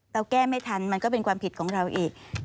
แก้ไม่ทันมันก็เป็นความผิดของเราอีก